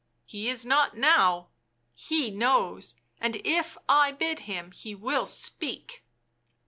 . he is not now; he knows, and if I bid him he will speak."